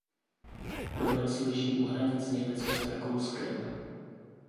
Obec leží u hranic Německa s Rakouskem.